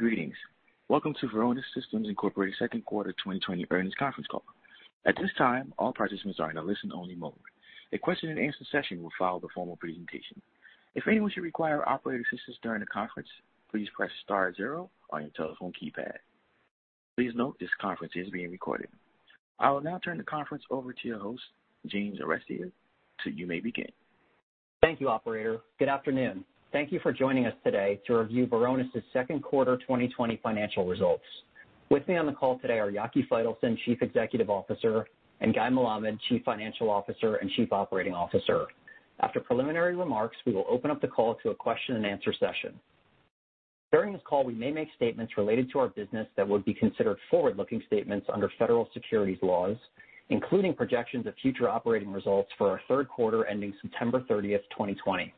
Greetings. Welcome to Varonis Systems Incorporated second quarter 2020 earnings conference call. At this time, all participants are in a listen-only mode. A question-and-answer session will follow the formal presentation. If anyone should require operator assistance during the conference, please press star zero on your telephone keypad. Please note this conference is being recorded. I will now turn the conference over to your host, James Arestia, so you may begin. Thank you, operator. Good afternoon. Thank you for joining us today to review Varonis' second quarter 2020 financial results. With me on the call today are Yaki Faitelson, Chief Executive Officer, and Guy Melamed, Chief Financial Officer and Chief Operating Officer. After preliminary remarks, we will open up the call to a question-and-answer session. During this call, we may make statements related to our business that would be considered forward-looking statements under federal securities laws, including projections of future operating results for our third quarter ending September 30th, 2020.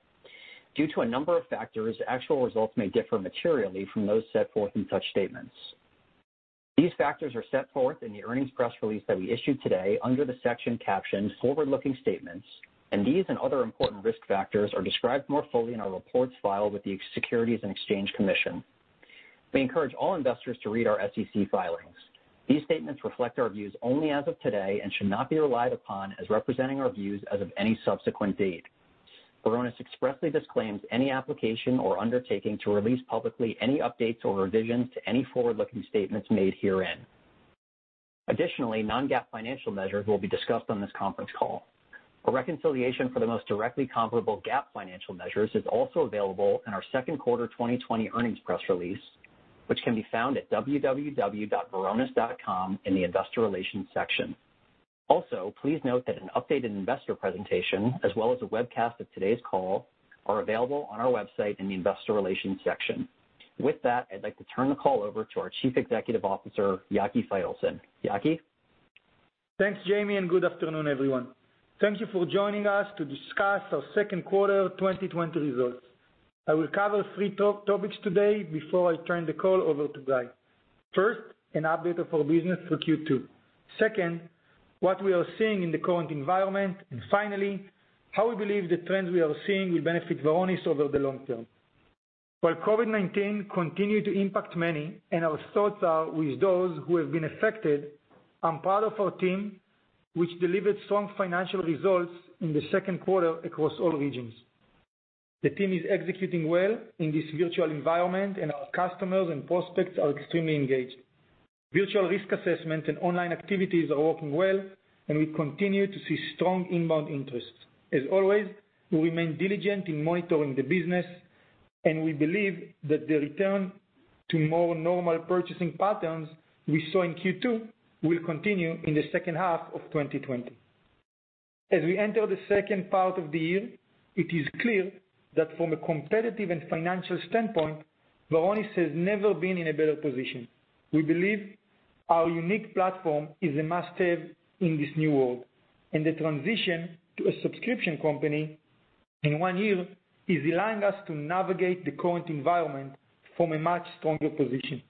Due to a number of factors, actual results may differ materially from those set forth in such statements. These factors are set forth in the earnings press release that we issued today under the section captioned Forward-Looking Statements, and these and other important risk factors are described more fully in our reports filed with the Securities and Exchange Commission. We encourage all investors to read our SEC filings. These statements reflect our views only as of today and should not be relied upon as representing our views as of any subsequent date. Varonis expressly disclaims any application or undertaking to release publicly any updates or revisions to any forward-looking statements made herein. Additionally, non-GAAP financial measures will be discussed on this conference call. A reconciliation for the most directly comparable GAAP financial measures is also available in our second quarter 2020 earnings press release, which can be found at www.varonis.com in the Investor Relations section. Also, please note that an updated investor presentation, as well as a webcast of today's call, are available on our website in the Investor Relations section. With that, I'd like to turn the call over to our Chief Executive Officer, Yaki Faitelson. Yaki? Thanks, Jamie, and good afternoon, everyone. Thank you for joining us to discuss our second quarter 2020 results. I will cover three topics today before I turn the call over to Guy. First, an update of our business for Q2. Second, what we are seeing in the current environment, and finally, how we believe the trends we are seeing will benefit Varonis over the long term. While COVID-19 continue to impact many, and our thoughts are with those who have been affected, I'm proud of our team, which delivered strong financial results in the second quarter across all regions. The team is executing well in this virtual environment, and our customers and prospects are extremely engaged. Virtual risk assessment and online activities are working well, and we continue to see strong inbound interest. As always, we remain diligent in monitoring the business, and we believe that the return to more normal purchasing patterns we saw in Q2 will continue in the second half of 2020. As we enter the second part of the year, it is clear that from a competitive and financial standpoint, Varonis has never been in a better position. We believe our unique platform is a must-have in this new world, and the transition to a subscription company in one year is allowing us to navigate the current environment from a much stronger position.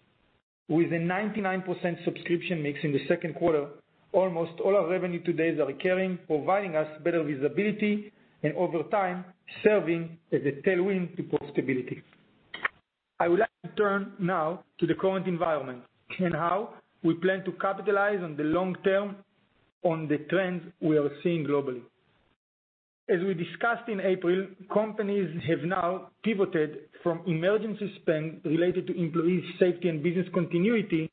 With a 99% subscription mix in the second quarter, almost all our revenue today is recurring, providing us better visibility, and over time, serving as a tailwind to profitability. I would like to turn now to the current environment and how we plan to capitalize on the long term on the trends we are seeing globally. As we discussed in April, companies have now pivoted from emergency spend related to employee safety and business continuity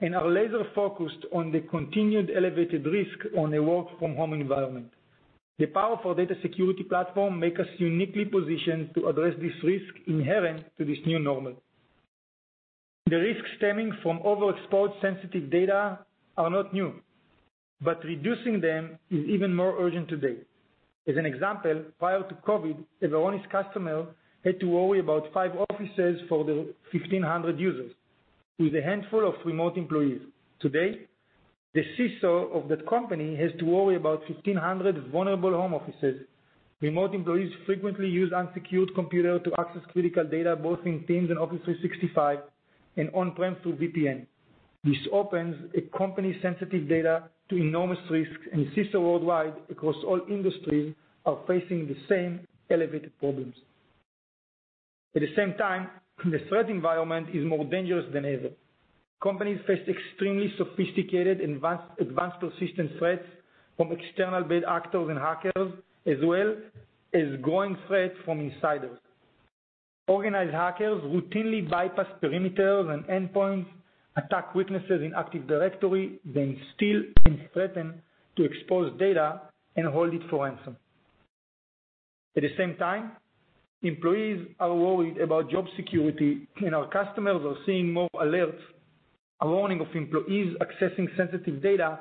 and are laser focused on the continued elevated risk on a work-from-home environment. The powerful data security platform make us uniquely positioned to address this risk inherent to this new normal. The risks stemming from overexposed sensitive data are not new, but reducing them is even more urgent today. As an example, prior to COVID, a Varonis customer had to worry about five offices for their 1,500 users, with a handful of remote employees. Today, the CISO of that company has to worry about 1,500 vulnerable home offices. Remote employees frequently use unsecured computer to access critical data, both in Teams and Office 365 and on-prem through VPN. This opens a company's sensitive data to enormous risks, and CISOs worldwide across all industries are facing the same elevated problems. At the same time, the threat environment is more dangerous than ever. Companies face extremely sophisticated and Advanced Persistent Threats from external bad actors and hackers, as well as growing threats from insiders. Organized hackers routinely bypass perimeters and endpoints, attack weaknesses in Active Directory, then steal and threaten to expose data and hold it for ransom. At the same time, employees are worried about job security, and our customers are seeing more alerts, a warning of employees accessing sensitive data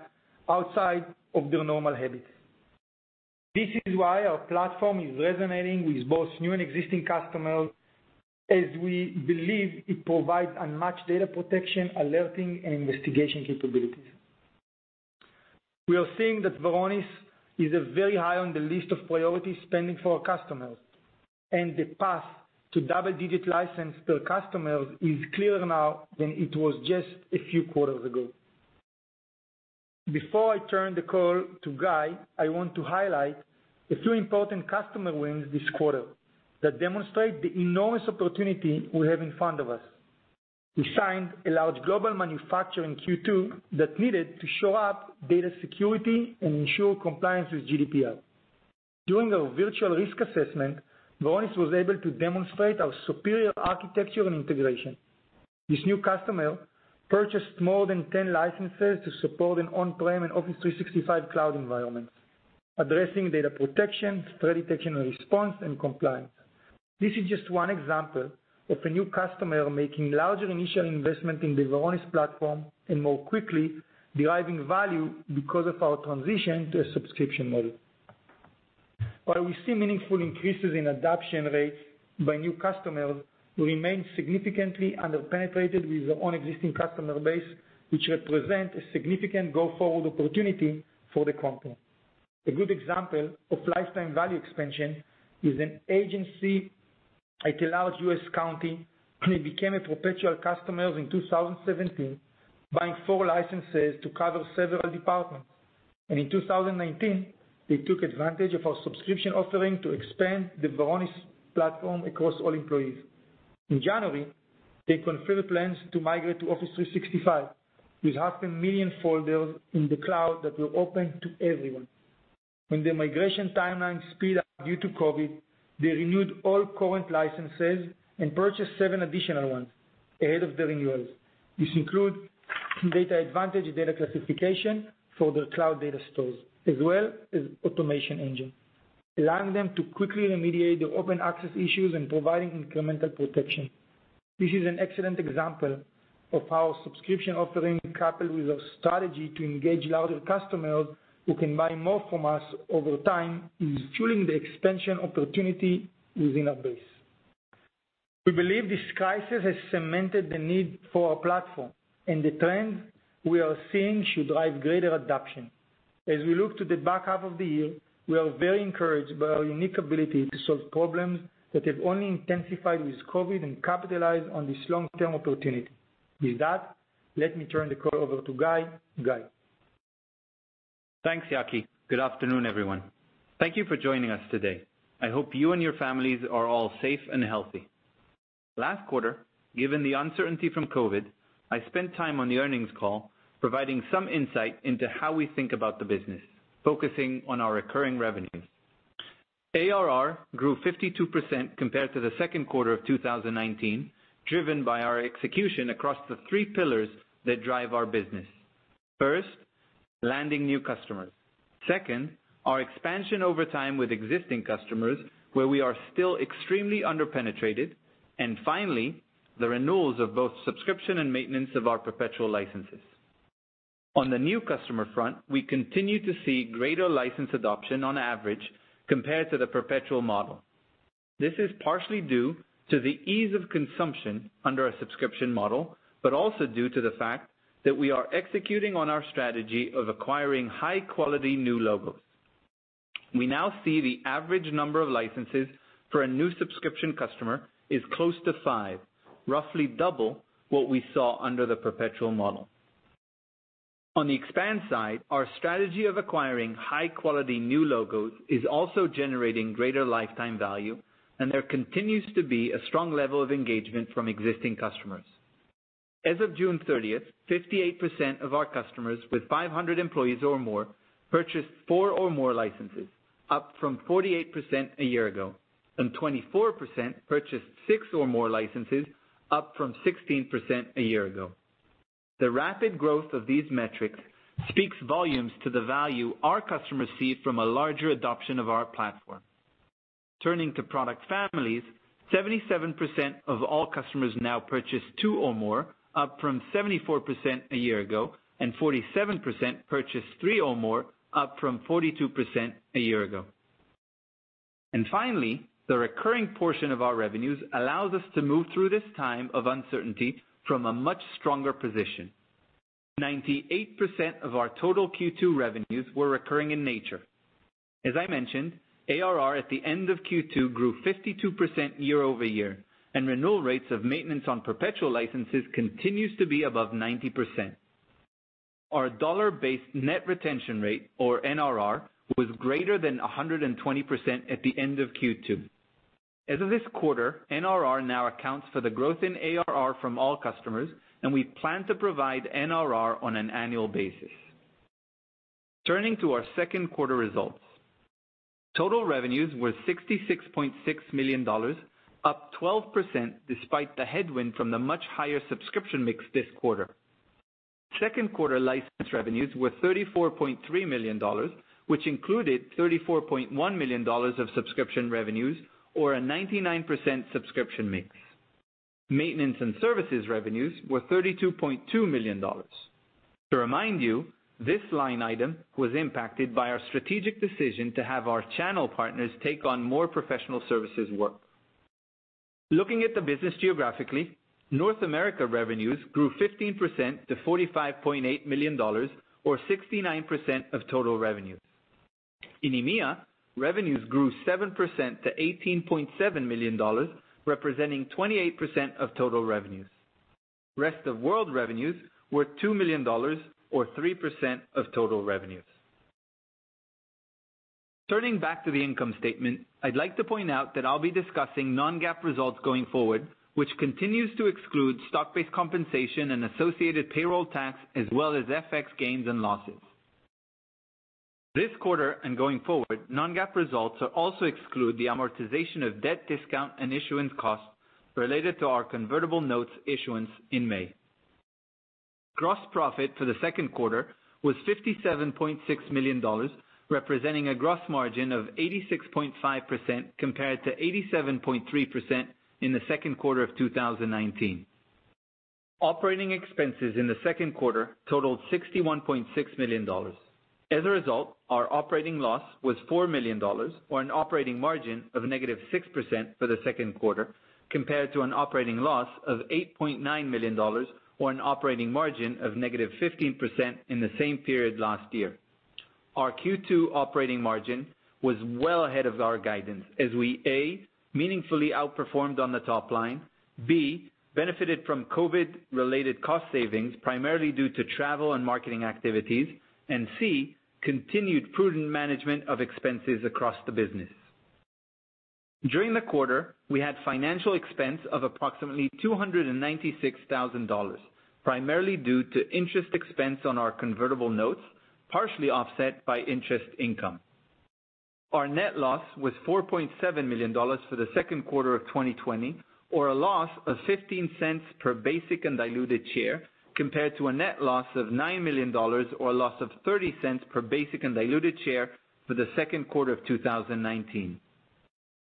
outside of their normal habits. This is why our platform is resonating with both new and existing customers, as we believe it provides unmatched data protection, alerting, and investigation capabilities. We are seeing that Varonis is very high on the list of priority spending for our customers, and the path to double-digit license per customer is clearer now than it was just a few quarters ago. Before I turn the call to Guy, I want to highlight a few important customer wins this quarter that demonstrate the enormous opportunity we have in front of us. We signed a large global manufacturer in Q2 that needed to shore up data security and ensure compliance with GDPR. During our virtual risk assessment, Varonis was able to demonstrate our superior architecture and integration. This new customer purchased more than 10 licenses to support an on-prem and Office 365 cloud environment, addressing data protection, threat detection and response, and compliance. This is just one example of a new customer making larger initial investment in the Varonis platform and more quickly deriving value because of our transition to a subscription model. While we see meaningful increases in adoption rates by new customers, we remain significantly under-penetrated with our own existing customer base, which represent a significant go-forward opportunity for the company. A good example of lifetime value expansion is an agency at a large U.S. county who became a perpetual customer in 2017, buying four licenses to cover several departments. In 2019, they took advantage of our subscription offering to expand the Varonis platform across all employees. In January, they confirmed plans to migrate to Office 365, with 500,000 folders in the cloud that were open to everyone. When the migration timeline sped up due to COVID, they renewed all current licenses and purchased seven additional ones ahead of the renewals. This includes DatAdvantage data classification for their cloud data stores, as well as Automation Engine, allowing them to quickly remediate their open access issues and providing incremental protection. This is an excellent example of how our subscription offering, coupled with our strategy to engage larger customers who can buy more from us over time, is fueling the expansion opportunity within our base. We believe this crisis has cemented the need for our platform, and the trend we are seeing should drive greater adoption. As we look to the back half of the year, we are very encouraged by our unique ability to solve problems that have only intensified with COVID and capitalize on this long-term opportunity. With that, let me turn the call over to Guy. Guy? Thanks, Yaki. Good afternoon, everyone. Thank you for joining us today. I hope you and your families are all safe and healthy. Last quarter, given the uncertainty from COVID, I spent time on the earnings call providing some insight into how we think about the business, focusing on our recurring revenues. ARR grew 52% compared to the second quarter of 2019, driven by our execution across the three pillars that drive our business. First, landing new customers. Second, our expansion over time with existing customers, where we are still extremely under-penetrated. Finally, the renewals of both subscription and maintenance of our perpetual licenses. On the new customer front, we continue to see greater license adoption on average compared to the perpetual model. This is partially due to the ease of consumption under our subscription model, but also due to the fact that we are executing on our strategy of acquiring high-quality new logos. We now see the average number of licenses for a new subscription customer is close to five, roughly double what we saw under the perpetual model. On the expand side, our strategy of acquiring high-quality new logos is also generating greater lifetime value, and there continues to be a strong level of engagement from existing customers. As of June 30th, 58% of our customers with 500 employees or more purchased four or more licenses, up from 48% a year ago, and 24% purchased six or more licenses, up from 16% a year ago. The rapid growth of these metrics speaks volumes to the value our customers see from a larger adoption of our platform. Turning to product families, 77% of all customers now purchase two or more, up from 74% a year ago, and 47% purchase three or more, up from 42% a year ago. Finally, the recurring portion of our revenues allows us to move through this time of uncertainty from a much stronger position. 98% of our total Q2 revenues were recurring in nature. As I mentioned, ARR at the end of Q2 grew 52% year-over-year, and renewal rates of maintenance on perpetual licenses continues to be above 90%. Our dollar-based net retention rate, or NRR, was greater than 120% at the end of Q2. As of this quarter, NRR now accounts for the growth in ARR from all customers, and we plan to provide NRR on an annual basis. Turning to our second quarter results. Total revenues were $66.6 million, up 12% despite the headwind from the much higher subscription mix this quarter. Second quarter license revenues were $34.3 million, which included $34.1 million of subscription revenues, or a 99% subscription mix. Maintenance and services revenues were $32.2 million. To remind you, this line item was impacted by our strategic decision to have our channel partners take on more professional services work. Looking at the business geographically, North America revenues grew 15% to $45.8 million, or 69% of total revenues. In EMEA, revenues grew 7% to $18.7 million, representing 28% of total revenues. Rest of world revenues were $2 million, or 3% of total revenues. Turning back to the income statement, I'd like to point out that I'll be discussing non-GAAP results going forward, which continues to exclude stock-based compensation and associated payroll tax, as well as FX gains and losses. This quarter and going forward, non-GAAP results also exclude the amortization of debt discount and issuance costs related to our convertible notes issuance in May. Gross profit for the second quarter was $57.6 million, representing a gross margin of 86.5%, compared to 87.3% in the second quarter of 2019. Operating expenses in the second quarter totaled $61.6 million. As a result, our operating loss was $4 million, or an operating margin of -6% for the second quarter, compared to an operating loss of $8.9 million, or an operating margin of -15% in the same period last year. Our Q2 operating margin was well ahead of our guidance as we, A, meaningfully outperformed on the top line, B, benefited from COVID-related cost savings, primarily due to travel and marketing activities, and C, continued prudent management of expenses across the business. During the quarter, we had financial expense of approximately $296,000, primarily due to interest expense on our convertible notes, partially offset by interest income. Our net loss was $4.7 million for the second quarter of 2020, or a loss of $0.15 per basic and diluted share, compared to a net loss of $9 million, or a loss of $0.30 per basic and diluted share for the second quarter of 2019.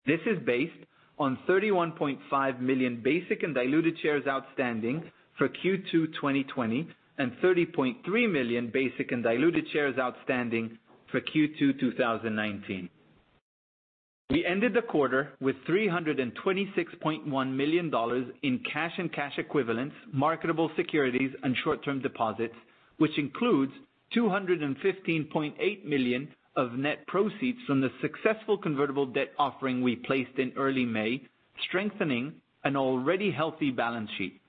This is based on 31.5 million basic and diluted shares outstanding for Q2 2020, and 30.3 million basic and diluted shares outstanding for Q2 2019. We ended the quarter with $326.1 million in cash and cash equivalents, marketable securities, and short-term deposits, which includes $215.8 million of net proceeds from the successful convertible debt offering we placed in early May, strengthening an already healthy balance sheet.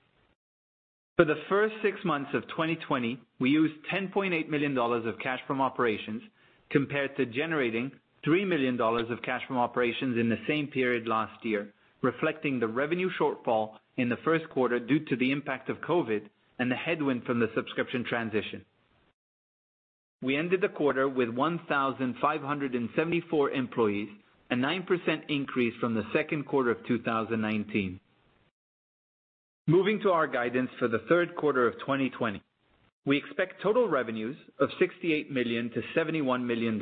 For the first six months of 2020, we used $10.8 million of cash from operations compared to generating $3 million of cash from operations in the same period last year, reflecting the revenue shortfall in the first quarter due to the impact of COVID and the headwind from the subscription transition. We ended the quarter with 1,574 employees, a 9% increase from the second quarter of 2019. Moving to our guidance for the third quarter of 2020. We expect total revenues of $68 million-$71 million.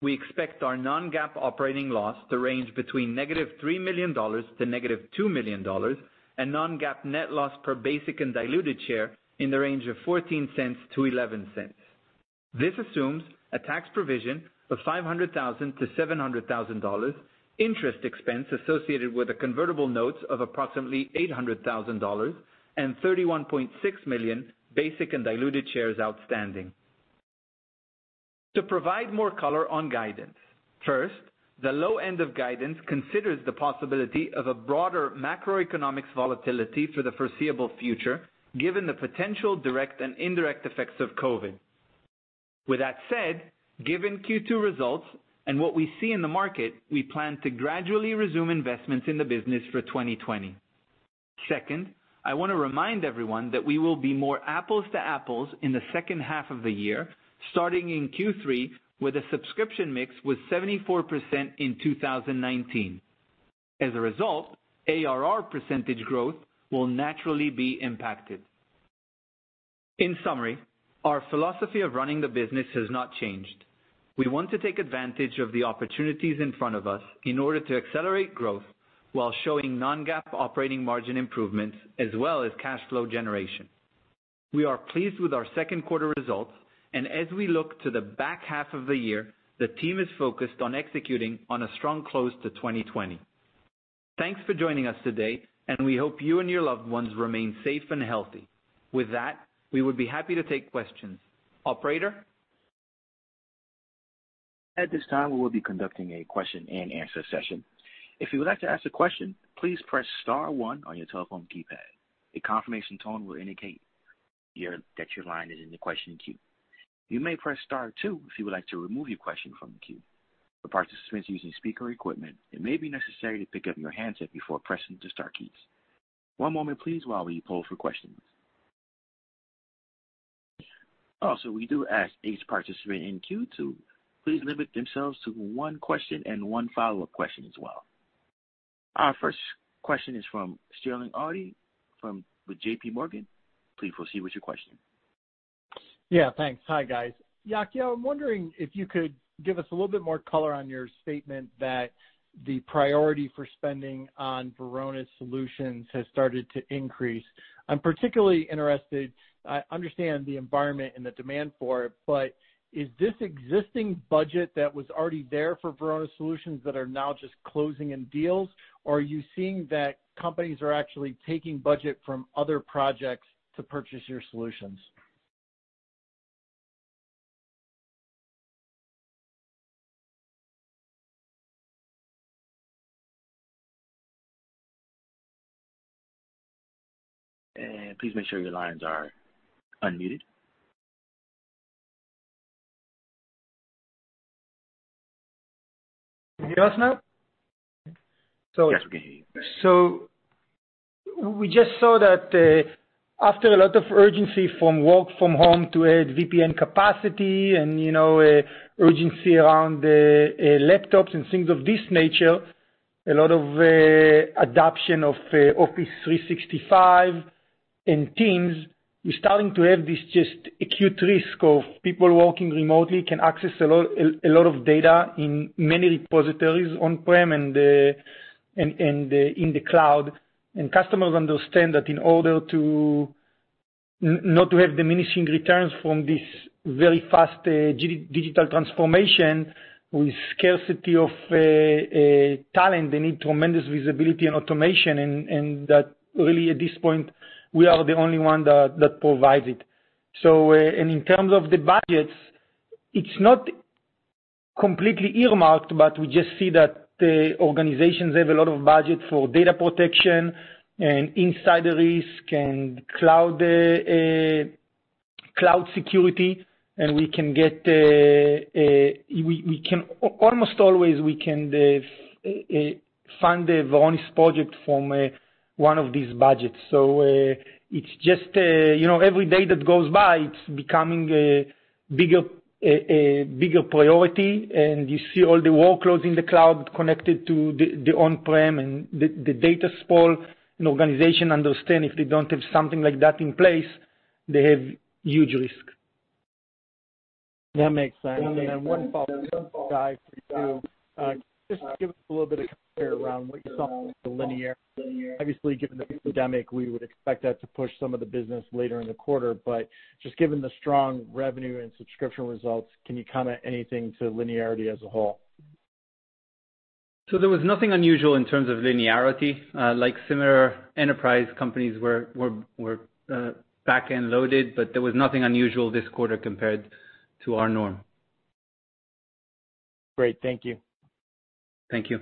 We expect our non-GAAP operating loss to range between $ -3 million to $ -2 million and non-GAAP net loss per basic and diluted share in the range of $0.14-$0.11. This assumes a tax provision of $500,000-$700,000, interest expense associated with the convertible notes of approximately $800,000, and 31.6 million basic and diluted shares outstanding. To provide more color on guidance, first, the low end of guidance considers the possibility of a broader macroeconomics volatility for the foreseeable future, given the potential direct and indirect effects of COVID. With that said, given Q2 results and what we see in the market, we plan to gradually resume investments in the business for 2020. Second, I want to remind everyone that we will be more apples-to-apples in the second half of the year, starting in Q3 with a subscription mix with 74% in 2019. As a result, ARR percentage growth will naturally be impacted. In summary, our philosophy of running the business has not changed. We want to take advantage of the opportunities in front of us in order to accelerate growth while showing non-GAAP operating margin improvements as well as cash flow generation. We are pleased with our second quarter results, and as we look to the back half of the year, the team is focused on executing on a strong close to 2020. Thanks for joining us today, and we hope you and your loved ones remain safe and healthy. With that, we would be happy to take questions. Operator? At this time, we will be conducting a question-and-answer session. If you would like to ask a question, please press star one on your telephone keypad. A confirmation tone will indicate that your line is in the question queue. You may press star two if you would like to remove your question from the queue. For participants using speaker equipment, it may be necessary to pick up your handset before pressing the star keys. One moment please while we poll for questions. Also, we do ask each participant in queue to please limit themselves to one question and one follow-up question as well. Our first question is from Sterling Auty with JPMorgan. Please proceed with your question. Yeah, thanks. Hi, guys. Yaki, I'm wondering if you could give us a little bit more color on your statement that the priority for spending on Varonis solutions has started to increase. I'm particularly interested, I understand the environment and the demand for it, but is this existing budget that was already there for Varonis solutions that are now just closing in deals, or are you seeing that companies are actually taking budget from other projects to purchase your solutions? Please make sure your lines are unmuted. Can you hear us now? Yes, we can hear you. We just saw that after a lot of urgency from work from home to add VPN capacity and urgency around laptops and things of this nature, a lot of adoption of Office 365 and Teams, we're starting to have this just acute risk of people working remotely can access a lot of data in many repositories on-prem and in the cloud. Customers understand that in order to not to have diminishing returns from this very fast digital transformation, with scarcity of talent, they need tremendous visibility and automation, and that really at this point, we are the only one that provides it. In terms of the budgets, it's not completely earmarked, but we just see that the organizations have a lot of budget for data protection and insider risk and cloud security, and almost always we can fund a Varonis project from one of these budgets. Every day that goes by, it's becoming a bigger priority, and you see all the workloads in the cloud connected to the on-prem and the data sprawl, and organizations understand if they don't have something like that in place, they have huge risk. That makes sense. One follow-up for Guy, for you. Just give us a little bit of compare around what you saw with the linear. Obviously, given the pandemic, we would expect that to push some of the business later in the quarter. Just given the strong revenue and subscription results, can you comment anything to linearity as a whole? There was nothing unusual in terms of linearity. Like similar enterprise companies, we're back-end loaded, but there was nothing unusual this quarter compared to our norm. Great. Thank you. Thank you.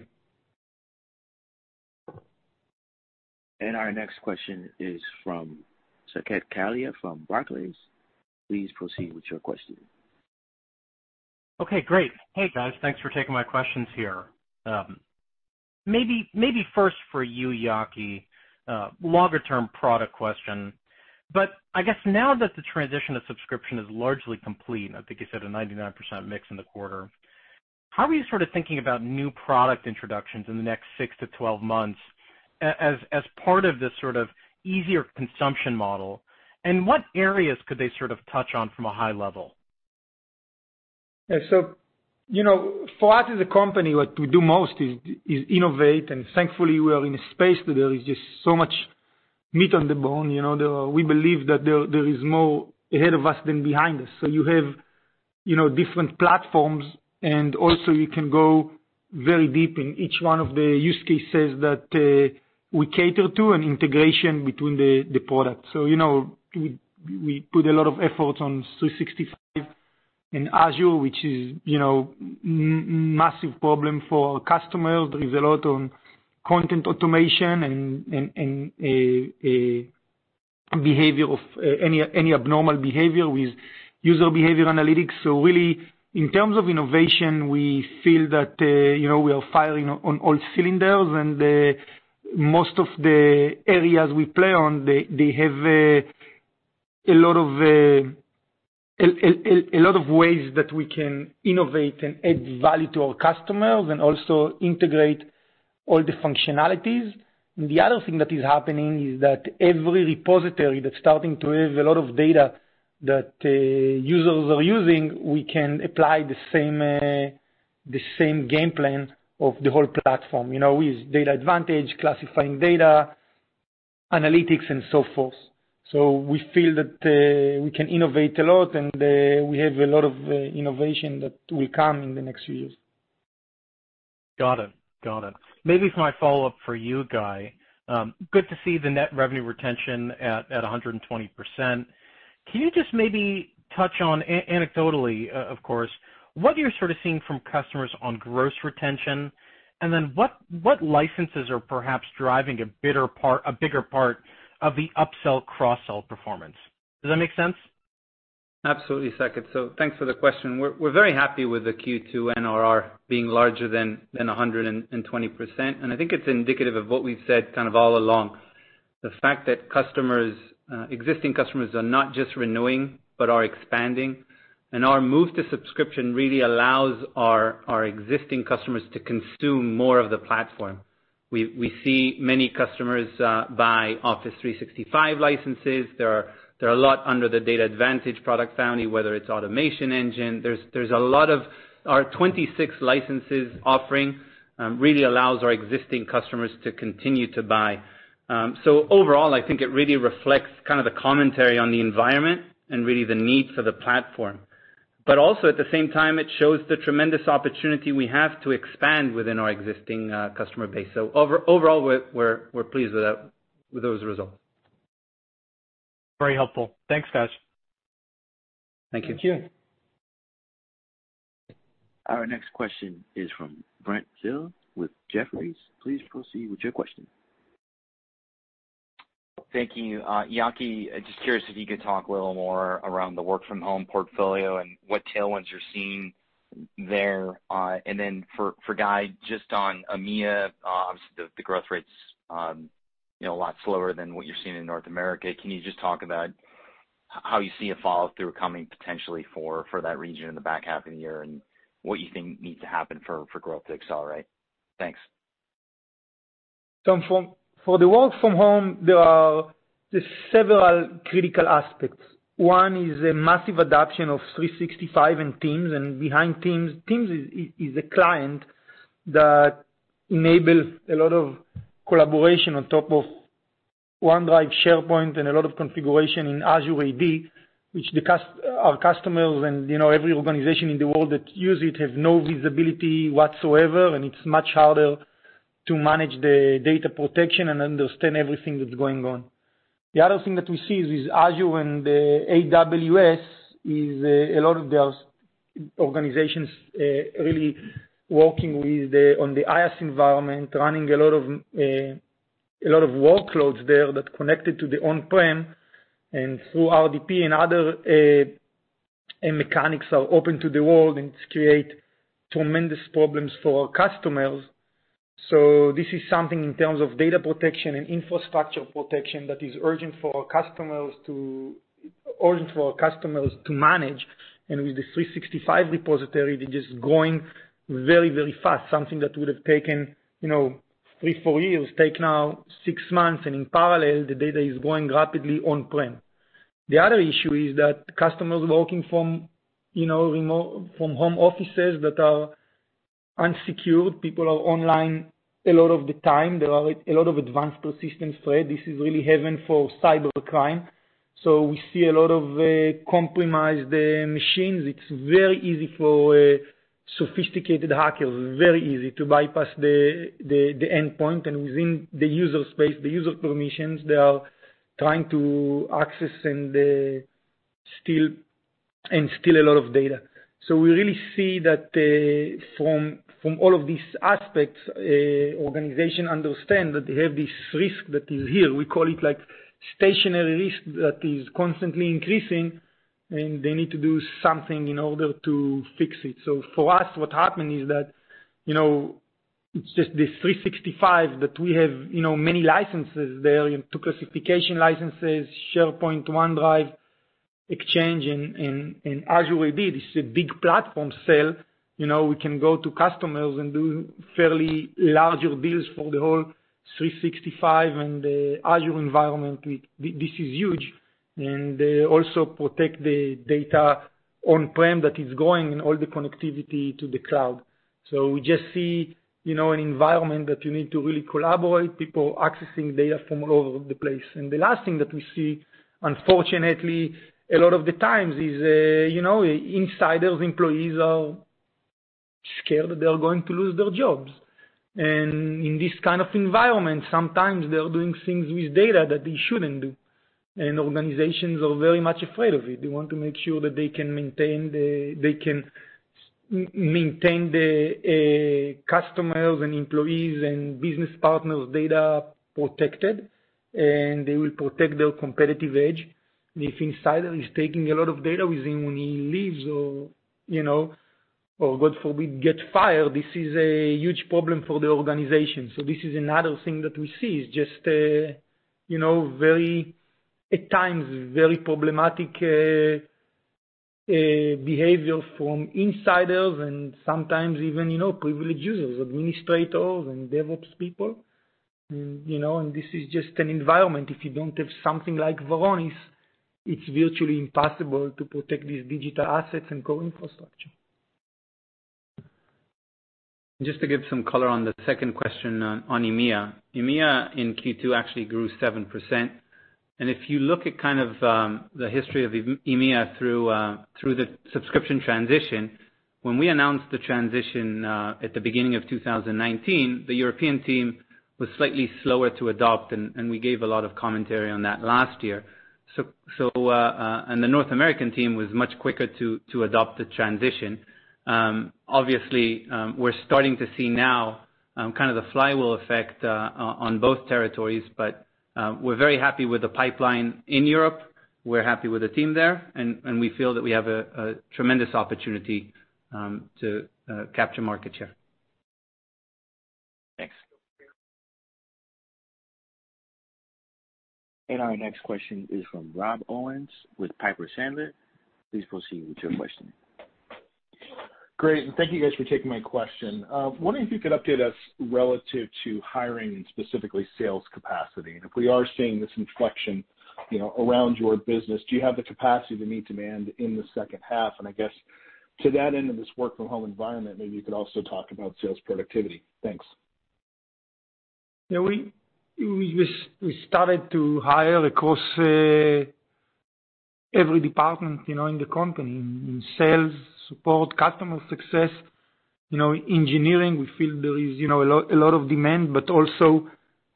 Our next question is from Saket Kalia from Barclays. Please proceed with your question. Okay, great. Hey, guys. Thanks for taking my questions here. Maybe first for you, Yaki, longer term product question, but I guess now that the transition to subscription is largely complete, I think you said a 99% mix in the quarter, how are you sort of thinking about new product introductions in the next 6-12 months as part of this sort of easier consumption model? What areas could they sort of touch on from a high level? Yeah, for us as a company, what we do most is innovate, and thankfully, we are in a space where there is just so much meat on the bone. We believe that there is more ahead of us than behind us. You have different platforms, and also you can go very deep in each one of the use cases that we cater to and integration between the products. We put a lot of effort on 365 and Azure, which is massive problem for our customers. There is a lot on content automation and any abnormal behavior with User Behavior Analytics. Really, in terms of innovation, we feel that we are firing on all cylinders and most of the areas we play on, they have a lot of ways that we can innovate and add value to our customers and also integrate all the functionalities. The other thing that is happening is that every repository that's starting to have a lot of data that users are using, we can apply the same game plan of the whole platform. With DatAdvantage, classifying data, analytics, and so forth. We feel that we can innovate a lot, and we have a lot of innovation that will come in the next few years. Got it. Maybe my follow-up for you, Guy. Good to see the net revenue retention at 120%. Can you just maybe touch on, anecdotally of course, what you're sort of seeing from customers on gross retention? What licenses are perhaps driving a bigger part of the upsell, cross-sell performance? Does that make sense? Absolutely, Saket. Thanks for the question. We're very happy with the Q2 NRR being larger than 120%, and I think it's indicative of what we've said kind of all along. The fact that existing customers are not just renewing but are expanding, and our move to subscription really allows our existing customers to consume more of the platform. We see many customers buy Office 365 licenses. There are a lot under the DatAdvantage product family, whether it's Automation Engine. Our 26 licenses offering really allows our existing customers to continue to buy. Overall, I think it really reflects kind of the commentary on the environment and really the needs of the platform. Also, at the same time, it shows the tremendous opportunity we have to expand within our existing customer base. Overall, we're pleased with those results. Very helpful. Thanks, guys. Thank you. Thank you. Our next question is from Brent Thill with Jefferies. Please proceed with your question. Thank you. Yaki, just curious if you could talk a little more around the work from home portfolio and what tailwinds you're seeing there. For Guy, just on EMEA, obviously the growth rate's a lot slower than what you're seeing in North America. Can you just talk about how you see a follow-through coming potentially for that region in the back half of the year, and what you think needs to happen for growth to accelerate? Thanks. For the work from home, there are just several critical aspects. One is a massive adoption of 365 and Teams, and behind Teams is a client that enables a lot of collaboration on top of OneDrive, SharePoint, and a lot of configuration in Azure AD, which our customers and every organization in the world that use it have no visibility whatsoever, and it's much harder to manage the data protection and understand everything that's going on. The other thing that we see is, with Azure and AWS, is a lot of the organizations really working on the IaaS environment, running a lot of workloads there that connected to the on-prem and through RDP and other mechanics are open to the world, and it creates tremendous problems for our customers. This is something in terms of data protection and infrastructure protection that is urgent for our customers to manage. With the 365 repository, they're just growing very fast. Something that would have taken three, four years take now six months, and in parallel, the data is growing rapidly on-prem. The other issue is that customers working from home offices that are unsecured, people are online a lot of the time. There are a lot of Advanced Persistent Threat. This is really heaven for cybercrime. We see a lot of compromised machines. It's very easy for sophisticated hackers, very easy to bypass the endpoint. Within the user space, the user permissions, they are trying to access and steal a lot of data. We really see that from all of these aspects, organizations understand that they have this risk that is here. We call it stationary risk that is constantly increasing, and they need to do something in order to fix it. For us, what happened is that, it's just this 365 that we have many licenses there, two classification licenses, SharePoint, OneDrive, Exchange and Azure AD. This is a big platform sale. We can go to customers and do fairly larger deals for the whole 365 and Azure environment. This is huge. Also protect the data on-prem that is going and all the connectivity to the cloud. We just see an environment that you need to really collaborate, people accessing data from all over the place. The last thing that we see, unfortunately, a lot of the times is, insiders, employees are scared that they're going to lose their jobs. In this kind of environment, sometimes they're doing things with data that they shouldn't do. Organizations are very much afraid of it. They want to make sure that they can maintain the customers and employees and business partners' data protected, and they will protect their competitive edge. If insider is taking a lot of data with him when he leaves or, God forbid, get fired, this is a huge problem for the organization. This is another thing that we see, is just at times, very problematic behavior from insiders and sometimes even privileged users, administrators, and DevOps people. This is just an environment, if you don't have something like Varonis, it's virtually impossible to protect these digital assets and core infrastructure. Just to give some color on the second question on EMEA. EMEA in Q2 actually grew 7%. If you look at kind of the history of EMEA through the subscription transition, when we announced the transition at the beginning of 2019, the European team was slightly slower to adopt, and we gave a lot of commentary on that last year. The North American team was much quicker to adopt the transition. Obviously, we're starting to see now kind of the flywheel effect on both territories, but we're very happy with the pipeline in Europe. We're happy with the team there, and we feel that we have a tremendous opportunity to capture market share. Thanks. Our next question is from Rob Owens with Piper Sandler. Please proceed with your question. Great, thank you guys for taking my question. Wondering if you could update us relative to hiring, and specifically sales capacity. If we are seeing this inflection around your business, do you have the capacity to meet demand in the second half? I guess to that end of this work from home environment, maybe you could also talk about sales productivity. Thanks. We started to hire across every department in the company, in sales, support, customer success, engineering. We feel there is a lot of demand.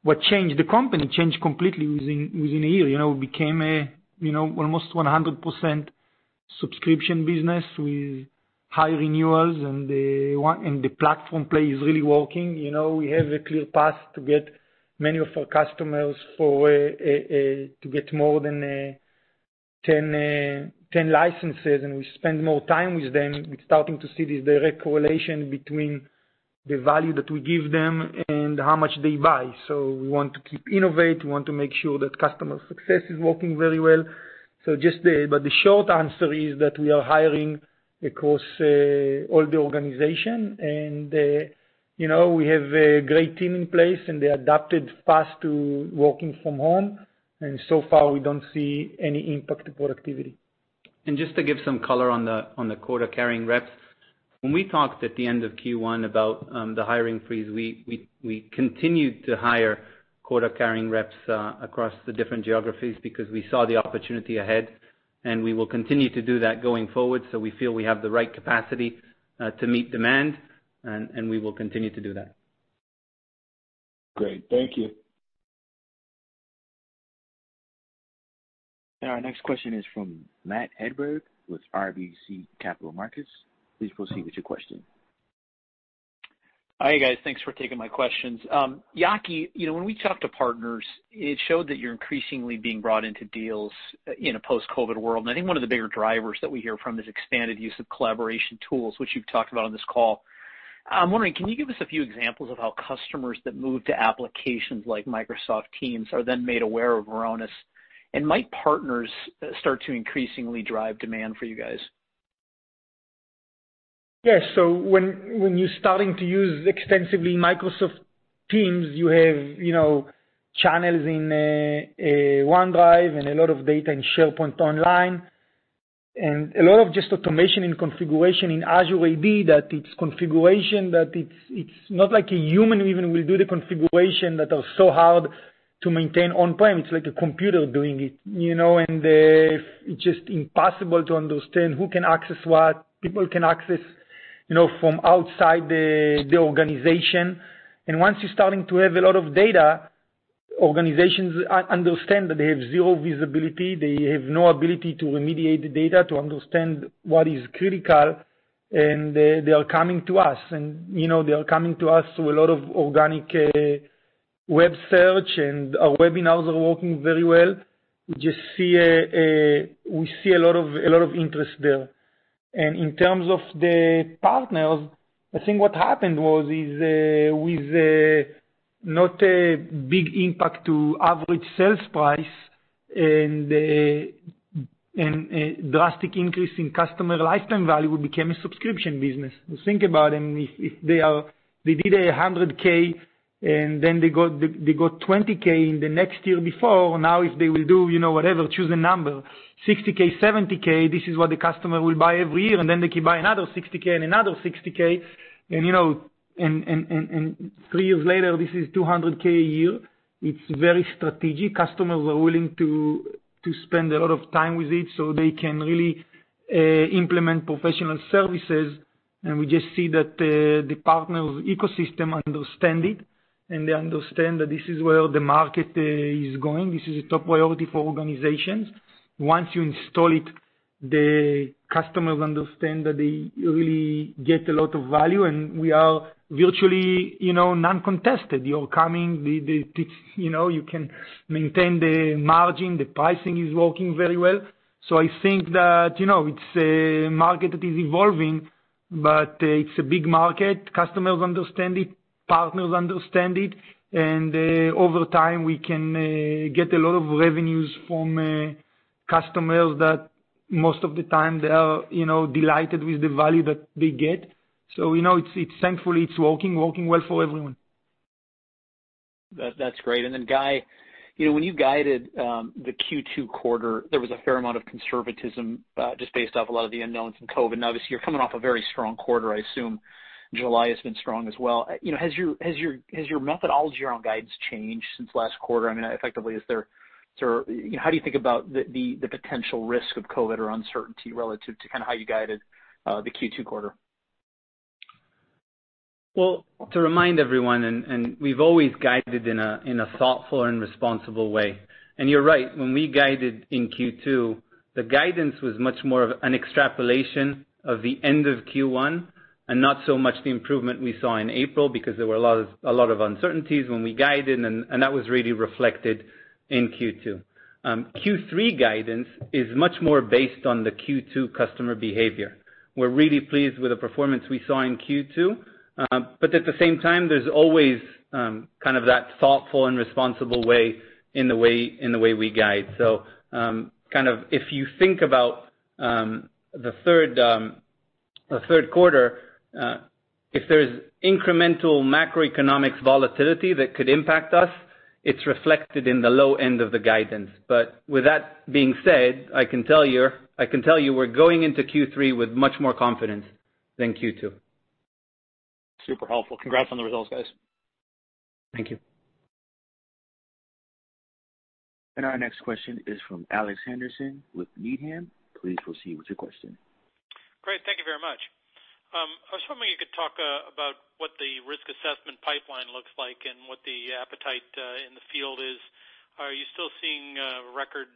What changed? The company changed completely within a year. We became almost 100% subscription business with high renewals. The platform play is really working. We have a clear path to get many of our customers to get more than 10 licenses. We spend more time with them. We're starting to see this direct correlation between the value that we give them and how much they buy. We want to keep innovating. We want to make sure that customer success is working very well. The short answer is that we are hiring across all the organization. We have a great team in place, and they adapted fast to working from home. So far, we don't see any impact to productivity. Just to give some color on the quota-carrying reps, when we talked at the end of Q1 about the hiring freeze, we continued to hire quota-carrying reps across the different geographies because we saw the opportunity ahead, and we will continue to do that going forward. We feel we have the right capacity to meet demand, and we will continue to do that. Great. Thank you. Our next question is from Matt Hedberg with RBC Capital Markets. Please proceed with your question. Hi, guys. Thanks for taking my questions. Yaki, when we talk to partners, it showed that you're increasingly being brought into deals in a post-COVID world. I think one of the bigger drivers that we hear from is expanded use of collaboration tools, which you've talked about on this call. I'm wondering, can you give us a few examples of how customers that move to applications like Microsoft Teams are then made aware of Varonis? Might partners start to increasingly drive demand for you guys? Yes. When you're starting to use extensively Microsoft Teams, you have channels in OneDrive and a lot of data in SharePoint Online and a lot of just automation and configuration in Azure AD that it's configuration, that it's not like a human even will do the configuration that are so hard to maintain on-prem. It's like a computer doing it. It's just impossible to understand who can access what. People can access from outside the organization. Once you're starting to have a lot of data, organizations understand that they have zero visibility. They have no ability to remediate the data to understand what is critical, and they are coming to us. They are coming to us through a lot of organic web search, and our webinars are working very well. We see a lot of interest there. In terms of the partners, I think what happened was, is with not a big impact to average sales price and a drastic increase in customer lifetime value, we became a subscription business. Think about them. If they did a $100,000, and then they got $20,000 in the next year before. If they will do whatever, choose a number, $60,000, $70,000, this is what the customer will buy every year. Then they can buy another $60,000 and another $60,000, and three years later, this is $200,000 a year. It's very strategic. Customers are willing to spend a lot of time with it so they can really implement professional services. We just see that the partner ecosystem understand it, and they understand that this is where the market is going. This is a top priority for organizations. Once you install it, the customers understand that they really get a lot of value, and we are virtually non-contested. You're coming, you can maintain the margin. The pricing is working very well. I think that it's a market that is evolving, but it's a big market. Customers understand it, partners understand it, and over time, we can get a lot of revenues from customers that most of the time they are delighted with the value that they get. We know it's thankfully, it's working well for everyone. That's great. Guy, when you guided the Q2 quarter, there was a fair amount of conservatism, just based off a lot of the unknowns in COVID. Now, obviously, you're coming off a very strong quarter, I assume. July has been strong as well. Has your methodology on guides changed since last quarter? I mean, effectively, how do you think about the potential risk of COVID or uncertainty relative to kind of how you guided the Q2 quarter? Well, to remind everyone, we've always guided in a thoughtful and responsible way. You're right. When we guided in Q2, the guidance was much more of an extrapolation of the end of Q1 and not so much the improvement we saw in April because there were a lot of uncertainties when we guided, and that was really reflected in Q2. Q3 guidance is much more based on the Q2 customer behavior. We're really pleased with the performance we saw in Q2. At the same time, there's always kind of that thoughtful and responsible way in the way we guide. Kind of if you think about the third quarter, if there's incremental macroeconomic volatility that could impact us, it's reflected in the low end of the guidance. With that being said, I can tell you we're going into Q3 with much more confidence than Q2. Super helpful. Congrats on the results, guys. Thank you. Our next question is from Alex Henderson with Needham. Please proceed with your question. Great. Thank you very much. I was wondering if you could talk about what the risk assessment pipeline looks like and what the appetite in the field is. Are you still seeing record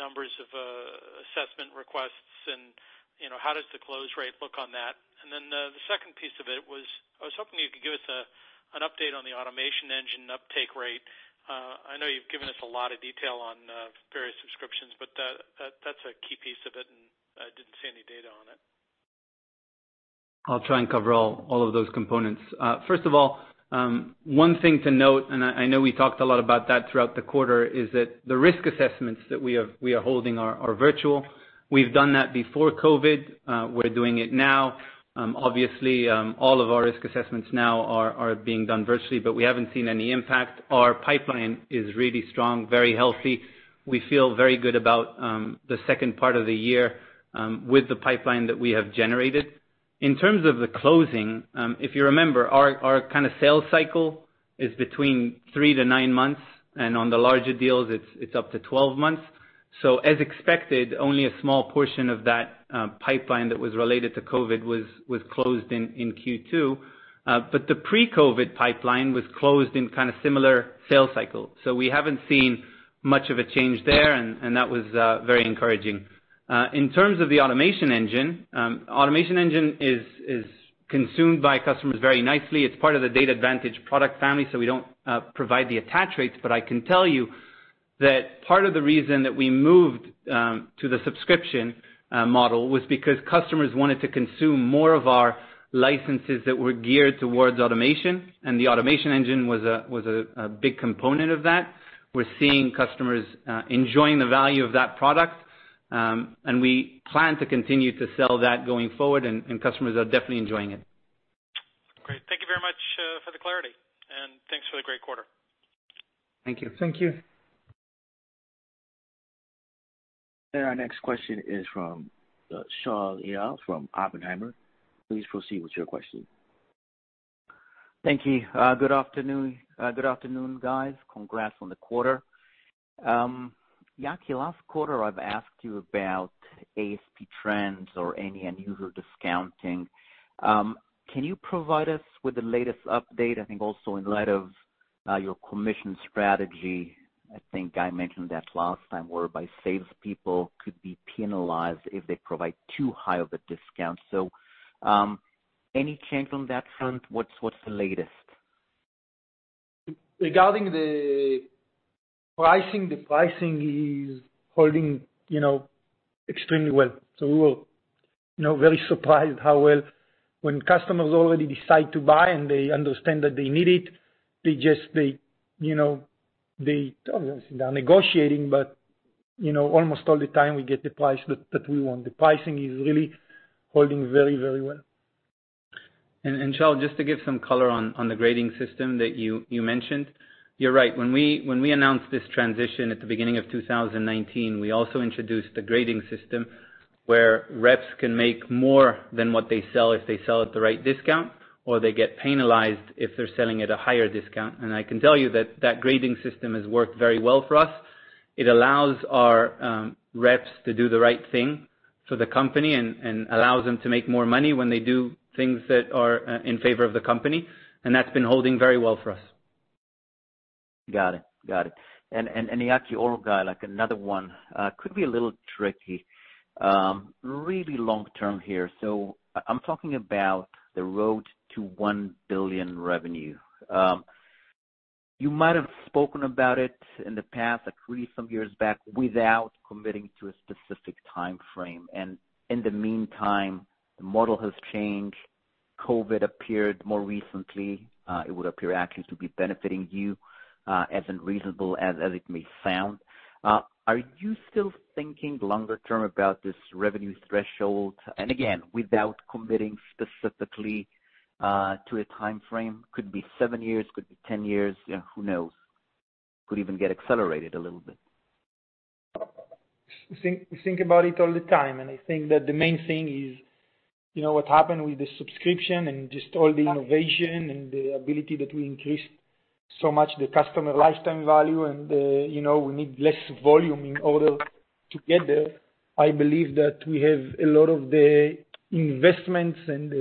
numbers of assessment requests? And how does the close rate look on that? The second piece of it was, I was hoping you could give us an update on the Automation Engine uptake rate. I know you've given us a lot of detail on various subscriptions, but that's a key piece of it, and I didn't see any data on it. I'll try and cover all of those components. First of all, one thing to note, and I know we talked a lot about that throughout the quarter, is that the risk assessments that we are holding are virtual. We've done that before COVID. We're doing it now. Obviously, all of our risk assessments now are being done virtually, but we haven't seen any impact. Our pipeline is really strong, very healthy. We feel very good about the second part of the year with the pipeline that we have generated. In terms of the closing, if you remember, our kind of sales cycle is between three to nine months, and on the larger deals, it's up to 12 months. As expected, only a small portion of that pipeline that was related to COVID was closed in Q2. The pre-COVID pipeline was closed in kind of similar sales cycle. We haven't seen much of a change there, and that was very encouraging. In terms of the Automation Engine, Automation Engine is consumed by customers very nicely. It's part of the DatAdvantage product family, so we don't provide the attach rates, but I can tell you that part of the reason that we moved to the subscription model was because customers wanted to consume more of our licenses that were geared towards automation, and the Automation Engine was a big component of that. We're seeing customers enjoying the value of that product, and we plan to continue to sell that going forward, and customers are definitely enjoying it. Great. Thank you very much for the clarity. Thanks for the great quarter. Thank you. Thank you. Our next question is from Shaul Eyal from Oppenheimer. Please proceed with your question. Thank you. Good afternoon. Good afternoon, guys. Congrats on the quarter. Yaki, last quarter, I've asked you about ASP trends or any unusual discounting. Can you provide us with the latest update? I think also in light of your commission strategy, I think I mentioned that last time, whereby salespeople could be penalized if they provide too high of a discount. Any change on that front? What's the latest? Regarding the pricing, the pricing is holding extremely well. We were very surprised how well when customers already decide to buy and they understand that they need it, obviously they're negotiating, but almost all the time we get the price that we want. The pricing is really holding very, very well. Shaul, just to give some color on the grading system that you mentioned. You're right. When we announced this transition at the beginning of 2019, we also introduced a grading system where reps can make more than what they sell if they sell at the right discount, or they get penalized if they're selling at a higher discount. I can tell you that that grading system has worked very well for us. It allows our reps to do the right thing for the company and allows them to make more money when they do things that are in favor of the company. That's been holding very well for us. Got it. Yaki, I've got like another one. Could be a little tricky. Really long-term here. I'm talking about the road to $1 billion revenue. You might have spoken about it in the past, like three some years back, without committing to a specific timeframe. In the meantime, the model has changed. COVID appeared more recently. It would appear actually to be benefiting you, as unreasonable as it may sound. Are you still thinking longer term about this revenue threshold? Again, without committing specifically to a timeframe. Could be seven years, could be 10 years, who knows? Could even get accelerated a little bit. We think about it all the time, and I think that the main thing is, what happened with the subscription and just all the innovation and the ability that we increased so much the customer lifetime value and we need less volume in order to get there. I believe that we have a lot of the investments and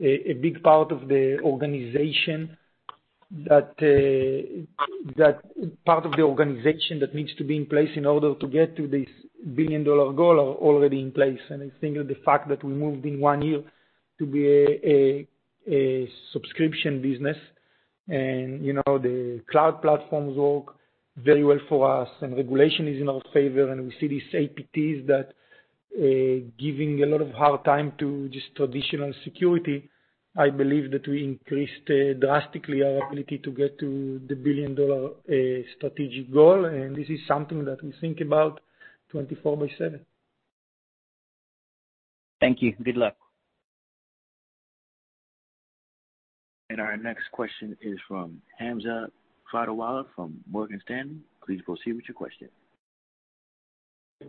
a big part of the organization that needs to be in place in order to get to this billion-dollar goal are already in place. I think that the fact that we moved in one year to be a subscription business and the cloud platforms work very well for us and regulation is in our favor and we see these APTs that giving a lot of hard time to just traditional security. I believe that we increased drastically our ability to get to the billion-dollar strategic goal. This is something that we think about 24/7. Thank you. Good luck. Our next question is from Hamza Fodderwala from Morgan Stanley. Please proceed with your question.